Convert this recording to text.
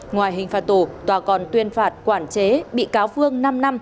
ngoài hình phạt tù tòa còn tuyên phạt quản chế bị cáo phương năm năm